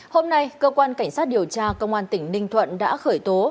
hôm nay cơ quan cảnh sát điều tra công an tỉnh ninh thuận đã khởi tố